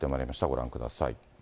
ご覧ください。